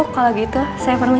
baik bu kalau gitu saya permisi